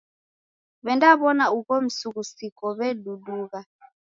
W'endaw'ona ugho msughusiko w'edudugha.